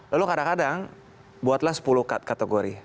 lalu kadang kadang buatlah sepuluh kategori